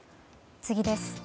次です。